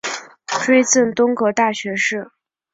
追赠东阁大学士。